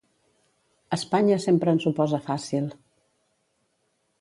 Espanya sempre ens ho posa fàcil.